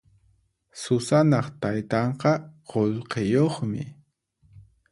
Susanaq taytanqa qullqiyuqmi.